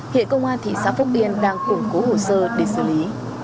hiện công an thị xã phúc yên đang củng cố hồ sơ để xử lý